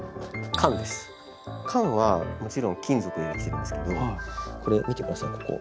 缶はもちろん金属でできてるんですけどこれ見て下さいここ。